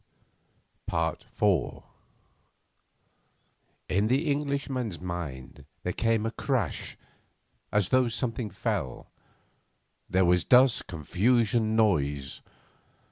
IV In the Englishman's mind there came a crash, as though something fell. There was dust, confusion, noise.